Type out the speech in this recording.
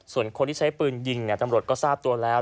ส่วนคนที่ใช้ปืนยิงตำรวจก็ทราบตัวแล้ว